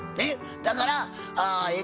だからええ